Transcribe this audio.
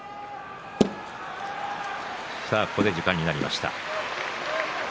ここで時間になりました。